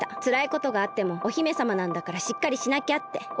つらいことがあってもお姫さまなんだからしっかりしなきゃって。